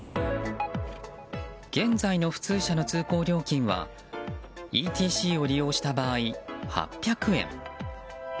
現在の普通車の通行料金はＥＴＣを利用した場合８００円。